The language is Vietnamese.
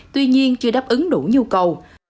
tuy nhiên chưa đáp ứng đủ nhu cầu